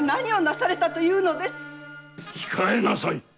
控えなさい！